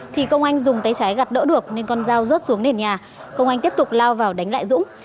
thì công anh dùng tay trái gặp đỡ được nên con dao rớt xuống nền nhà công anh tiếp tục lao vào đánh lại dũng